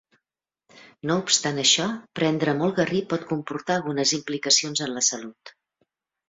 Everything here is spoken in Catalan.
No obstant això, prendre molt garri pot comportar algunes implicacions en la salut.